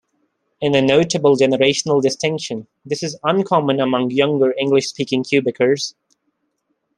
In a notable generational distinction, this is uncommon among younger English-speaking Quebecers.